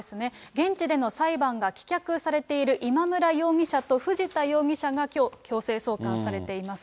現地での裁判が棄却されている今村容疑者と藤田容疑者がきょう、強制送還されています。